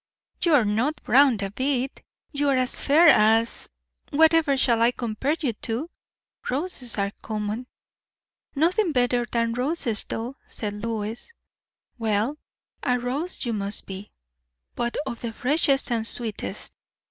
"You are not brown a bit. You are as fair as whatever shall I compare you to? Roses are common." "Nothing better than roses, though," said Lois. "Well, a rose you must be; but of the freshest and sweetest.